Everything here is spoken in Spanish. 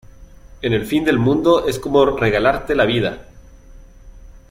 en el fin del mundo es como regalarte la vida.